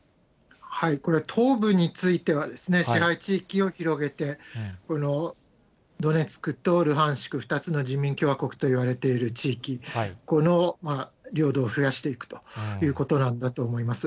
これ、東部についてはですね、支配地域を広げて、ドネツクとルハンシク、２つの人民共和国といわれている地域、この領土を増やしていくということなんだと思います。